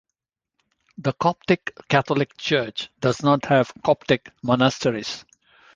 The Coptic Catholic Church does not have Coptic monasteries.